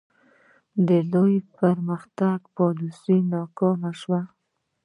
د لوی پرمختګ پالیسي ناکامه شوه.